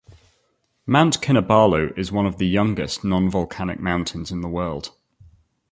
Mount Kinabalu is one of the youngest non-volcanic mountains in the world.